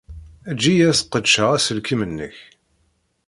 Eǧǧ-iyi ad sqedceɣ aselkim-nnek.